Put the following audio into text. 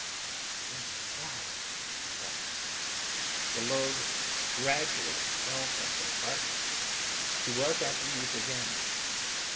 "Thank God," she thought. The load gradually fell from her heart, she was at ease again.